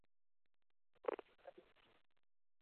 Police বিভাগের পরিসংখ্যান চেয়েছিল।